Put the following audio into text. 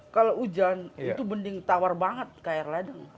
kalau hujan itu bening tawar banget kayak air ledeng